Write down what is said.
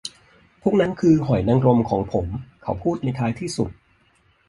พวกนั้นคือหอยนางรมของผม เขาพูดในท้ายที่สุด